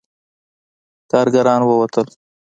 کارګران ووتل.